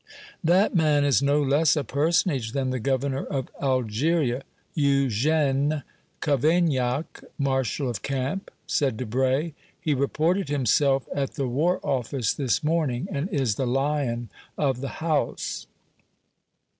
"That man is no less a personage than the Governor of Algeria, Eugène Cavaignac, Marshal of Camp," said Debray. "He reported himself at the War Office this morning, and is the lion of the house."